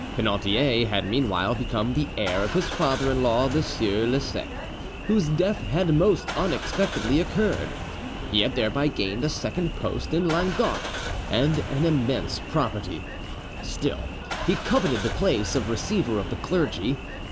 Penautier had meanwhile become the heir of his father in law, the Sieur Lesecq, whose death had most unexpectedly occurred; he had thereby gained a second post in Languedoc and an immense property: still, he coveted the place of receiver of the clergy.